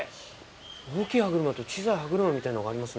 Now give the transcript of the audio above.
大きい歯車と小さい歯車みたいのがありますね。